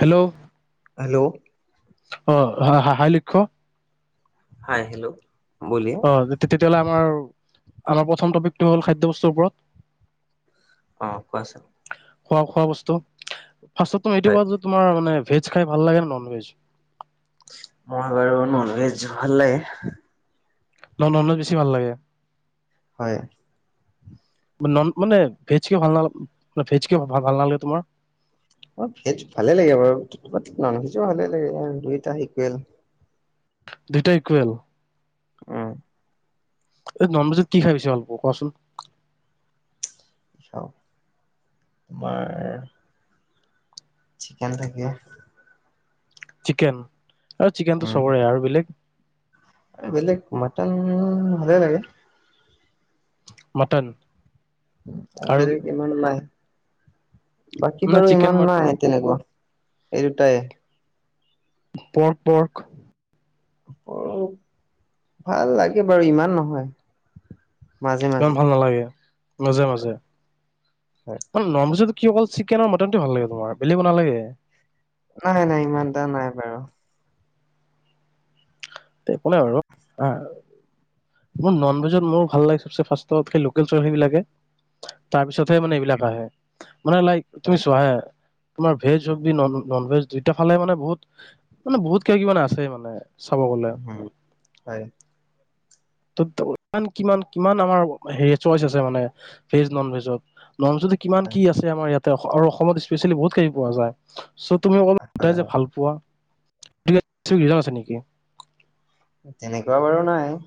Hello hello অঁ hi Lakshya hi hello বলিয়ে অঁ তেতিয়াহ'লে আমাৰ আমাৰ প্ৰথম টপিকটো হ'ল খাদ্য বস্তুৰ ওপৰত অঁ কোৱাচোন খোৱা খোৱা বস্তু ফাষ্টত এইটো হয় কোৱা যে তোমাৰ মানে ভেজ খাই ভাল লাগে নে নন ভেজ মই বাৰু ননভেজ ভাল লাগে ন ননভেজ বেছি ভাল লাগে হয় নন মানে ভেজ কে ভাল নালা ভেজ কিয় ভাল নালাগে তোমাৰ অ' ভেজ ভালে লাগে বাৰু নন ভেজ ভালে লাগে দুইটা ইকুৱেল দুটা ইকুুৱেল উম এই নন ভেজত কি খাই বেছি ভালপোৱা কোৱাচোন চাও তোমাৰ চিকেন থাকে চিকেন আৰু চিকেনটো উম চবৰে আৰু বেলেগ বেলেগ মাৰ্টন ভালে লাগে মৰ্টন আৰু বেলেগ ইমান নাই বাকী মানে বাৰু চিকেন ইমান নাই তেনেকুৱা এই দুটাই পৰ্ক পৰ্ক ভাল লাগে বাৰু ইমান নহয় মাজে ইমান মাজে ভাল নালাগে মাজে মাজে হয় মানে নন ভেচত কি অকল চিকেন আৰু মৰ্টনটো ভাল লাগে তোমাৰ বেলেগ নালাগে নাই নাই ইমান এটা নাই বাৰু একো নাই বাৰ মোৰ নন ভেজত মোৰ ভাল লাগে ফ লেল চ [unintelligible] বিলাকে তাৰপিছত মানে এইবিলাক আহে মানে লাইক তুমি হয় চোৱা হে তোমাৰ ভেজ নন ভেজ দুইতা ফালে মানে বহুত মানে বহুত কিয় কি মানে আছে মানে চাব গলে হ হয় ত ইমান কিমান কিমান আমাৰ হেৰি চইচ আছে মানে ভেজ নন ভেজত ননচ কিমান হয় কি আছে আমাৰ ইয়াত আৰু অসমত স্পেচিয়েলি বহুত কিনি পোৱা যায় চ' তুমি অলপ হয় সোটোই হয় যে ভাল পোৱা। আছে নেকি তেনেকুৱা বাৰু নাই।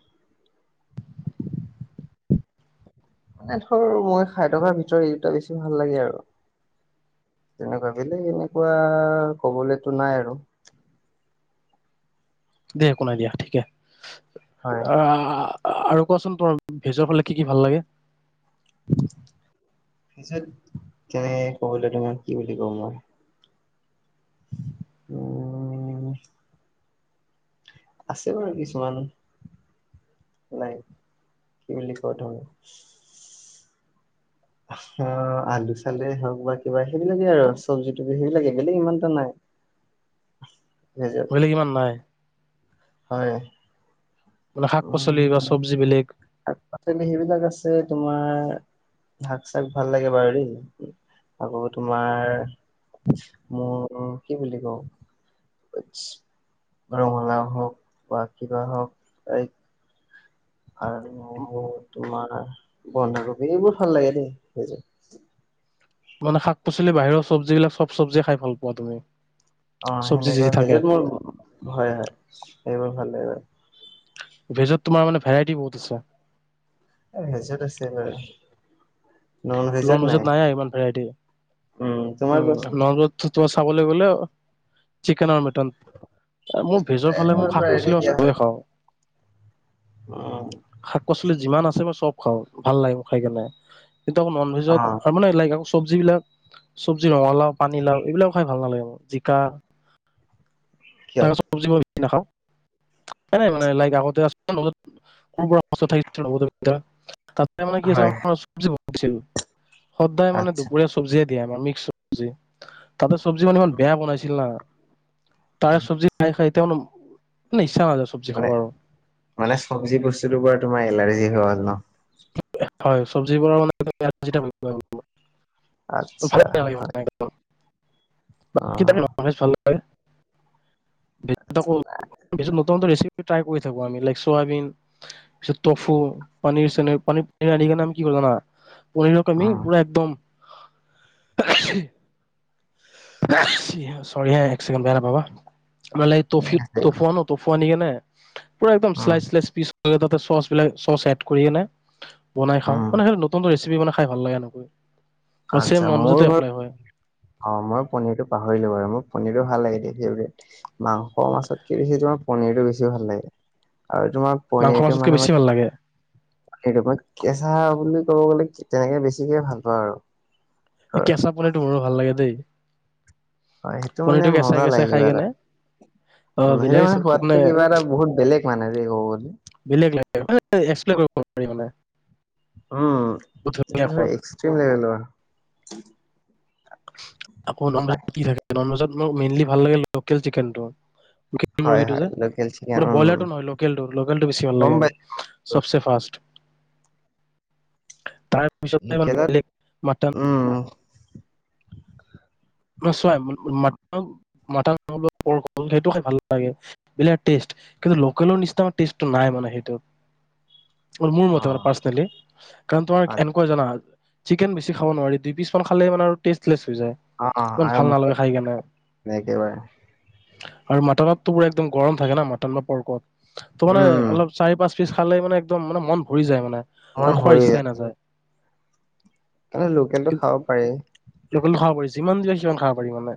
মানে ধৰ মই খাই থকাৰ ভিতৰত এই দুটা বেছি ভাল লাগে আৰু তেনেকুৱা বেলেগ এনেকুৱা কবলেতো নাই আৰু দিয়া একো নাই দিয়া ঠিকে। হয়। অঁ। আৰু কোৱাচোন তোমাৰ ভেজৰ ফালে কি কি ভাল লাগে? তাৰপিছত কেনেক ক'ব তোমাৰ কি বুলি কওঁ মই? উম। আছে বাৰু কিছুমান নাই কি বুলি কয় তম অ' আলু চালুয়ে হওঁক বা কিবা সেইবিলাকেই আৰু চবজি তবি সেইবিলাকে বেলেগ ইমান এটা নাই। ভেজত বেলেগ ইমান নাই। হয়। মানে শাক পাচলি বা চব্জি বেলেগ। ত সেইবিলাক আছে তোমাৰ শাক চাক ভাল লাগে বাৰু দেই আকৌ তোমাৰ মোৰ কি বুলি কওঁ ৰঙালাও হওঁক। বা কিবা হওঁক এই আৰু তোমাৰ বন্ধাকবি এইবোৰ ভাল লাগে দেই সেইবোৰ। মানে শাক পাচলি বাহিৰৰ চব্জিবিলাক চব চবজি খাই ভাল পোৱা তুমি। অঁ' চব্জি যি সেনেকুৱা যি থাকে সেইযত মোৰ ভয় হয় সেইবোৰ ভাল লাগিব [inaudible] ভেজত তোমাৰ মানে ভেৰাইটি বহুত আছে। ভেজত আছে বাৰু। নন ভেজত নাই ইমান ভেৰাইটি উম তোমাৰ উ নন ভেজ। খাবলৈ গ'লে চিকেন আৰু মিটন। মোৰ ভেজৰ ফালে মোৰ কোৱাচোন শাক প্ৰায়ৰিটি পাচলি দিয়া হয় চবে খাওঁ। উম শাক পাচলি যিমান আছে মই চব খাও ভাল লাগে মোৰ খাই কেনে। নন অ ভেজত আৰু মানে [unintelligible] চব্জিবিলাক চব্জি ৰঙালাউ পানীলাও এইবিলাক খাই ভাল নালাগে মোৰ। জিকা কিয় [unintelligible] চবজি কি নাখাওঁ। নাই মানে লাইক আগতে আ [unintelligible] তাতে মানে কি হয় আছিল [unintelligible] পৰিছিল। সদায় মানে আচ্ছা দুপৰীয়া চব্জি [unintelligible] মিক্স চবজি। তাতে চব্জি মানে ইমান বেয়া বনাইছিল না। তাৰে চব্জি খাই খাই তেওঁ ন [unintelligible] মানে মানে চব্জি বস্তুটোৰ পৰা তোমাৰ এলাৰ্জি। সাল ন [unintelligible] [unintelligible] [unintelligible] [unintelligible] আত্ছা। ভালে নালাগে মানে একদম ভাল [unintelligible] হয়। [unintelligible] [unintelligible] ৰেচিপি ট্ৰাই কৰি থাকো আমি লাইক চয়াবিন পিছত টফু পনীৰ চে। পান নালাৰ নাম কি না। পহিৰক আমি উম পুৰা একদম চৰি এককেড বাই নাপাবা। মানে এইফ ঠিক আছে তটফুৱা ন তটফুৱা ন কে নে। [inaudible] পুৰা একদম উম শ্লাইচ শ্লাইচ পীচ তাতে চচ বিলাক চচ এড কৰি কিনে বনাই খওঁ। উম মানে সেইটো নতুন ৰেচিপি মানে খাই ভাল লগা নকৈ আচ্ছা, মোৰ ঘৰত, অ', মই পনীৰতটো পাহৰিলো বাৰু, মোক পনিৰটো ভাল লাগে দে, ফেভৰিট। মাংসৰ মাছত কি বেছি তোমাৰ পনিৰটো বেছি ভাল লাগে। আৰু তোমাৰ মাংস পনীৰটো মাছতকে মানে বেছি মই ভাল লাগে [unintelligible] কেঁচা বুলি ক'ব গ'লে তেনেকে বেছিকে ভাল পাওঁ আৰু। ধৰ কেঁচা পনীৰটো মোৰো ভাল লাগে দেই। হয়, সেইটো মানে পনীৰটো কেঁচাই মজা কেঁচাই লাগে খাই কিবা এটা। কেনে অ আৰু সেইটো বেলেগ মানে সোৱাদটো কিবা এটা বহুত বেলেগ মানে দেই ক'ব গলে। বেলেগ লাগে [unintelligible] কৰিব পাৰি মানে। উম, বহুত এটো ধুনীয়া ধৰ সোৱাদ এক্সট্ৰিম লেভেলৰ। আক নন ভেজত বাকী কি থাকে নন ভেজত? মোৰ মেইনলি ভাল লাগে লোকেল চিকেনটো। লোকেল হয় মুৰ্গীটো হয় যে লোকেল চিকেন মানে উম ব্ৰইলাৰটো নহয় লোকেলটো, লোকেলটো বেছি ভাল গম লাগে মোৰ, পাইছো। চবছে ফাৰ্ষ্ট। তাৰ পিছত আমাৰ লোকেলত বেলেগ [unintelligible] মতন উম [inaudible] চোৱা [unintelligible] খাই ভাল লাগে [unintelligible] কিন্তু লোকেলৰ নিচিনা টেষ্টটো নাই মানে সেইটোত। মোৰ অ মতে পাৰ্চনেলি, কাৰণ তোমাৰ অ এনেকুৱা জানা চিকেন বেছি খাব নোৱাৰি, দুই পিছ মান খালে মানে আৰু টেষ্টলেচ হৈ যায়। অ', অ', ইমান আৰু ভাল মুখত নালাগে খাই কেনে [unintelligible] একেবাৰে। আৰু মাটনতটো পুৰা একদম গৰম থাকে না মাটন বা পৰ্কত। তো মানে উম। অলপ চাৰি পাঁচ পিচ খালে মানে একদম মানে মন ভৰি যায় মানে। আমাৰ আৰু খোৱাৰ ইচ্ছাই নাযায়। কাৰণে লোকেলটো কিন্তু খাব পাৰি। [inaudible] যিমান দিলে সিমান খাব পাৰি মানে।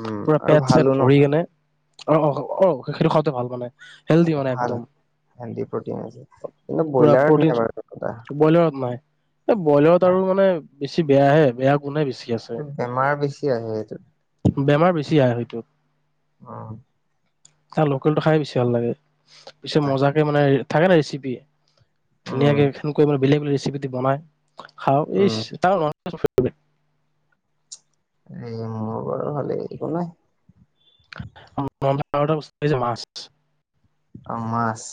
উম পুৰা আৰু পেট ভালো চেট ন ভৰি কিনে অ', অ', অ', সেইটো খাওঁতে ভাল মানে। হেল্ডি মানে ভাল একদম হেল্ডী প্ৰ'টিন আছে কিন্তু পুৰা ব্ৰইলাৰত প্ৰটিন নাই বাৰু [unintelligible] এহ ব্ৰইলাৰত আৰু মানে। বেছি বেয়াহে বেয়া কোনে বেছি আছে। বেমাৰ বেছি আহে এইটোত। বেমাৰ বেছি আহে হয়তো। অহ ', তাৰ লোকেলটো খাই বেছি ভাল লাগে। পিছে তাকে মজাকে মানে থাকে ন ৰেচিপি উম ধুনীয়াকে সেনকো মানে বেলেগে - বেলেগে ৰেচিপি। ৰেচিপিতো বনাই। খাওঁ উম এইচ তাও [unintelligible] এই মোৰ বাৰু ভালেই একো নাই। [unintelligible] আৰু এটা বস্তু এই যে মাছ। মাছ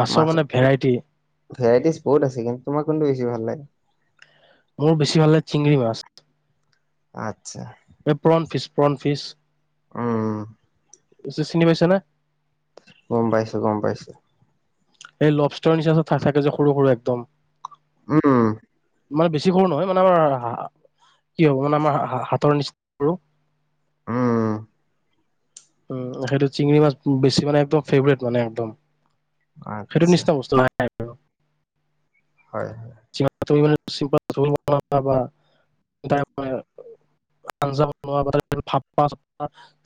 মাছৰ মাছত মানে ভেৰাইটি। ভেৰাইটিজ বহুত আছে কিন্তু তোমাৰ কোনটো বেছি ভাল লাগে? মোৰ বেছি ভাল লাগে চিঙৰি মাছ। আচ্ছা। এই প্ৰণ ফিছ -প্ৰণ ফিছ। উম ', চিনি পাইছ নে? গম পাইছো- গম পাইছো। এই লভ ষ্টৰ নিচিাক থাকে যে সৰু- সৰু একদম। উম', মানে বেছি সৰু নহয় মানে আমাৰ কি হ'ব মানে আমাৰ হাতৰ নিচিনা সৰু। উম', উম', সেইটো চিঙৰি মাছ বেছি মানে একদম ফেভৰেট মানে একদম। সেইটো আচ্ছা নিচনা বস্তু নাই। হয়। চি চ বন বা আঞ্জা বন চ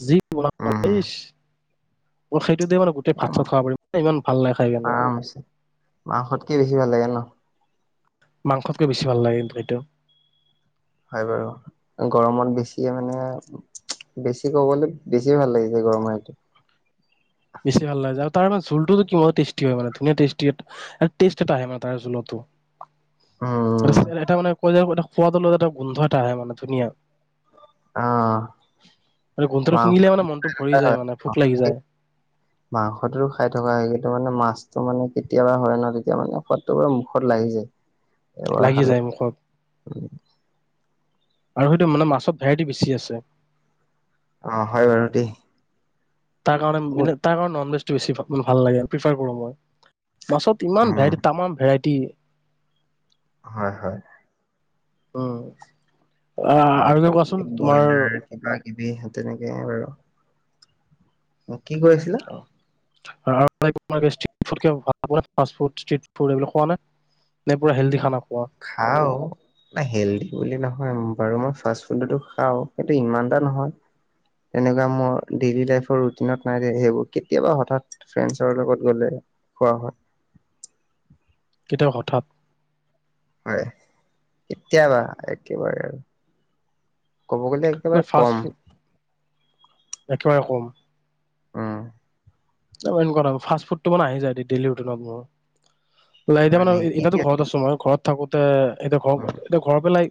যি বন উম [unintelligible] সেইটো দিয়ে মানে গোটেই এ ভাত চাত খাব পাৰিব নানে ইমান ভাল নাই খাই কিনে। আৰামছে মাংসতকে বেছি ভাল লাগে ন মাংসতকৈ বেছি ভাল লাগে দইটো। হয় বাৰু গৰমত বেছিয় মানে বেছি কবলৈ বেছি ভাল লাগিছে গৰমৰ সেইটো। বেছি ভাল লাগে আৰু তাৰ মানে ঝুলটোতটো কিমান টেষ্টি হয় মানে ধুনীয়া ষ্টেষ্ট এটা আহে মে তাৰে জোলতো। উম এটা মানে ক য ক [unintelligible] খোৱাদল এটা গোন্ধ এটা আহে মানে ধুনীয়া। আহ আৰু গোন্টাটো মাংস শুঙিলে মানে মনটো ভৰি যায় হয় মানে ভোক লাগি যায়। মাংসটো খাই থকা হয় কিন্তু মানে মাছটো মানে কেতিয়াবা হয় ন তেতিয়া মানে সোৱাদটো পৰা মুখত লাগি যায়। এবাৰ লাগি খালে যায় মুখত আৰু সেইটো মানে মাছত ভেৰাইটি বেছি আছে। অ হয় বাৰু দেই তাৰ কাৰণে উম মানে তাৰ কাৰণে ননভেজ টো বেছি ভাল লাগে প্ৰিফাৰ কৰো মই। মাছত ইমান ভেৰাইটি তামাম ভেৰাইটি তি হয় হয় উ অ আৰু কে কোৱাচোন তোমাৰ এইহে তেনেকে বাৰু কি কৈছিলা? ভ ফুষ্ট ফুড এইবিলাক খোৱা নাই নে পুৰা হেল্ড খানা খোৱা খাও নে হেল্ডি বুলি নহয় বাৰু মই ফাষ্ট ফুডো খাওঁ সেই ইমান এটা নহয় তেনেকুৱা মোৰ ডেইলি লাইফৰ ৰুতিনত নাই দেই সেইবোৰ কেতিয়াবা হঠাৎ ফ্ৰেডছৰ লগত গ'লে খোৱা হয়। গীটৰ হঠাৎ হয় কেতিয়াবা একেবাৰে আৰু ক'ব গ'লে একেবাৰে কম। একেবা ৰকম অ [unintelligible] ফাষ্ট ফুড তো মানে আহি যায় দেই দেইলি হোটেলত মোৰ। হয় এতিয়ামানে নেকি কি এতিয়াতো কি ঘৰত আছো মই ঘৰত থাকো [unintelligible] এটোয়া ঘৰ উম এটো ঘৰ পেলাই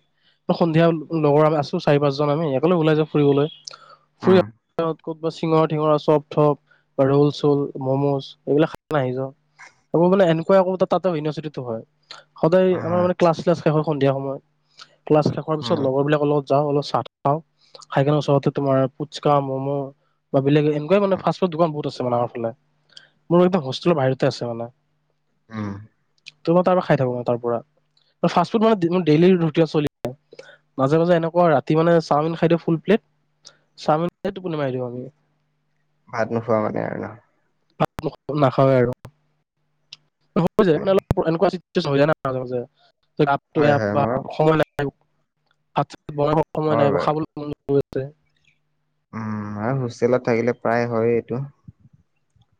সন্ধিয়া লগৰ আমি আছো চাৰি পাঁচজন আমি একলে ওলাই যাওঁ ফুৰিবলৈ উম ফুৰি- ক'তবা চিঙৰা টিঙৰা চব থপ ৰোল চোল মম'জ এইবিলাক খ নি য আকৌ মানে এনেকুৱা তাতে হয় ন [unintelligible] সদায় আমাৰ মানে আচ্ছা ক্লাছ্ চ্লাছ শেষৰ খন দিয়া সময়ত ক্লাছ শেষৰ উম পাছত লগৰ বিলাকৰ লগত যাওঁ অলপ চা তা খাওঁ খাই কিনে ওচৰতে তোমাৰ পুচকা মম' বা বেলেগ- গৈ মানে ফাষ্ট ফুড দোকান বহুত। [unintelligible] ফালে মোৰ কিন্তু হোষ্টেলৰ বাহিৰতে আছে মানে। হ ত মই তাৰ পৰা খাই থাকো তাৰ পৰা ফাষ্ট ফুড মানে দিন দেইলি ৰুটিয়া চলি থাকে মাজে মাজে এনেকুৱা ৰাতি মানে চাওমিন খাই দিও ফুল প্লেত চাওমিন খায়ে টোপনি মাৰি দিও আমি। ভাত নোখোৱা মানে আৰু ন। নাখাওঁবে আৰু হৈ যায় হয় মান নেকি? অলপ এনেকুৱা আছিল। চুবিধা নাই। হয় হয় মই [unintelligible] আচ বনাব সময় নাই হয় বাৰু খাবলৈ মন [unintelligible] উম আৰু হোষ্টেলত থাকিলে প্ৰায় হয় এইটো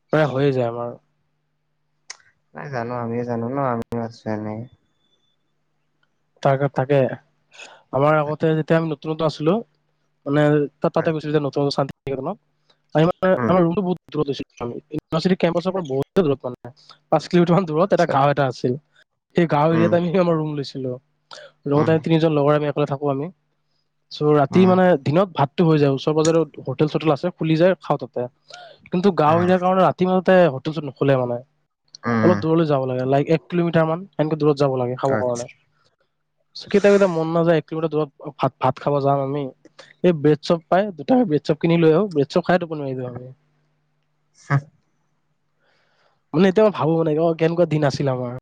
প্ৰায় হৈয়ে যায় আমাৰ। নাই জানো আমিও জানো ন আমিও আছো এনে তাকে তাকে। আমাৰ আগতে যেতিয়া আমি নতুনত আ হেল্ল' মানে তই তাতে হয় গুচি যা নতুন ন পাৰিবা নাই উম আমাৰ ৰুমটো বহুত দূৰত আছে। ইউভাৰ্চিটি কেম্পাছৰ পৰা বহুতে দূৰত মানে। কিলোমিটাৰ মান দূৰত এটা পিছত গাঁও এটা আছিল। এই গাঁও উম এৰিয়াত, আমি আমাৰ ৰুম লৈছোঁ। হেল্ল'। উম [unintelligible] তিনিজন লগৰ আমি গৈ থাকোঁ, আমি চ', ৰাতি, উম মানে, দিনত ভাত টো হৈ যায়। ওচৰ-পাজৰে হোটেল-চোটেল আছে। খুলি যায়, খাওঁ তাতে কিন্তু, গাঁও উম এৰিয়া কাৰণে, ৰাতি, মানে তাতে, হোটেলটো নুখুলে, মানে উম অলপ দূৰলৈ যাব লাগে, লাইক এক কিলোমিটাৰমান, এনেকে দূৰত যাব লাগে, খাবৰ কাৰণে কেতিয়াবা কেতিয়াবা মন নাযায় কিলোমিটাৰ দূৰত, ভাত-ভাত খাব যাম আমি। এই ব্ৰেড-চপ পাই, দুটা ব্ৰেড-চপ কিনি লৈ আহোঁ। ব্ৰেড-চপ খাই, টোপনি মাৰি যাওঁগে মানে, এতিয়া মই ভাবোঁ, মানে, অ', কেনেকুৱা দিন আছিল আমাৰ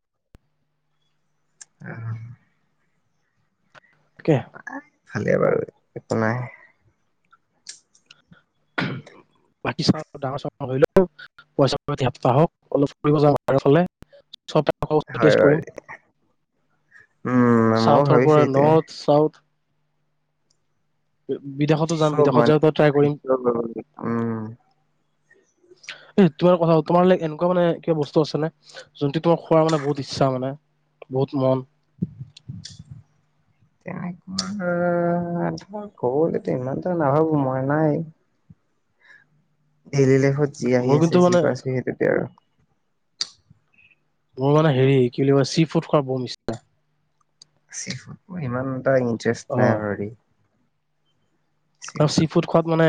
আহ তাকে নাই, ভালেই বাৰু। একো নাই। বাকী চব ডাঙৰ চব নকৰিলেও, পইচা প্ৰতি সপ্তাহ হওক অলপ ফুৰিব যাও [unintelligible] ফালে। চব টাইপৰ বস্তু হয় টেষ্ট কৰো। হয় উম ময়ো ছাউথৰ ভাবিছো পৰা এইটোৱে নৰ্থ, ছাউথ বিদেশতো যাম চব বিদেশত মানে যাওঁতে ট্ৰাই কৰিম [unintelligible] উম। [inaudible] এ তোমাৰ কথা। তোমাৰো লাই এনেকুৱা মানে কিবা বস্তু আছেনে, যোনটো তোমাৰ খোৱাৰ মানে বহুত ইচ্ছা মানে, বহুত মন? তেনেকুৱা ধৰ গ'ল এইটা ইমানটা নাভাবোঁ মই নাই ডেইলি লাইফত যি আহি মোৰ আছে, কিন্তু যি মানে পাইছোঁ সেইটোকে আৰু। মোৰ মানে হেৰি কি বুলি কয়, চি-ফুড খোৱাৰ বম ইচ্ছা। চি-ফুড, মোৰ ইমান এটা ইণ অ ইণ্টাৰেষ্ট নাই বাৰু, দেই আৰু, চেফত চি-ফুড খোৱাত, মানে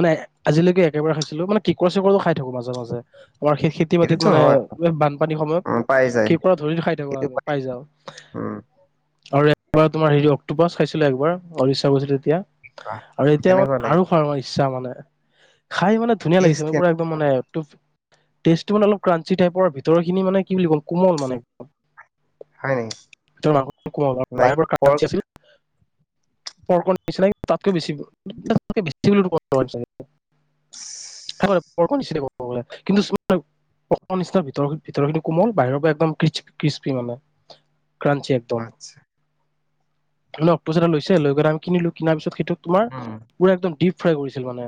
মানে, আজিলৈকে একেবাৰে খাইছিলোঁ। মানে, কেকুৰা-চেকুৰাটো খাই থাকোঁ মাজে-মাজে আমাৰ খেতি-বাতিত, সেইটোতো মানে, হয় বানপানীৰ সময়ত, উম, পাই যায় কেকুৰা ধৰি খাই থাকোঁ। আমি পাই যাওঁ, উম আৰু, এ তোমাৰ, হেৰি, অক্টোপাছ খাইছিলোঁ একবাৰ। উৰিষ্যা গৈছিলোঁ তেতিয়া কোৱা। আৰু এতিয়া মানে কেনেকুৱা লাগে আৰু ফৰমাইছ ছা মানে খাই মানে ধুনীয়া লাগিছে টেষ্ট মানে পুৰা কেনে একদম মানে টেজটো মানে অলপ ক্ৰাঞ্চি টাইপৰ ভিতৰখিনি মানে কি বুলি ক'ল কোমল মানে হয় নেকি ভিতৰত মংসৰ টুকুৰা লাইক বাহিৰৰ পৰা ক্ৰাঞ্চি পৰ্ক আছিল পৰ্কৰ নিচিনাই তাতকৈ বেছি বে নি কিন্তু নিচিনা ভ ভিত কোমল বাহিৰৰ পৰা একদম ক্ৰিছপি মানে ক্ৰানঞ্চি একদম আচ্ছা ত অক্টোচ এটা লৈছে লৈ গ'লে আমি কিনিলো কিনাৰ পিছত সেইটো তোমাৰ উম পুৰা একদম ডিপ ফ্ৰাই কৰিছিল মানে।